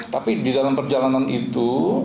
tapi di dalam perjalanan itu